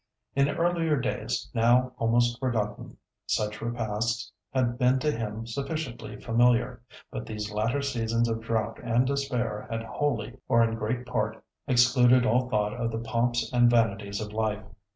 In earlier days, now almost forgotten, such repasts had been to him sufficiently familiar. But these latter seasons of drought and despair had wholly, or in great part, excluded all thought of the pomps and vanities of life.